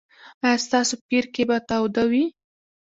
ایا ستاسو پیرکي به تاوده وي؟